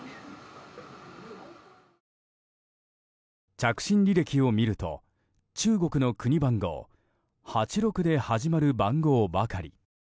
着信履歴を見ると中国の国番号８６で始まる番号ばかり。